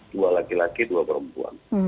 dua laki laki dua perempuan